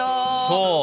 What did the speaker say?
そう。